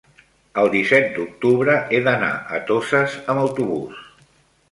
el disset d'octubre he d'anar a Toses amb autobús.